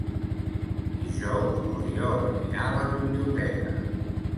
Dijous n'Oriol anirà a la biblioteca.